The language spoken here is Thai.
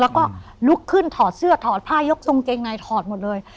แล้วก็ลุกขึ้นถอดเสื้อถอดผ้ายกทรงเกงในถอดหมดเลย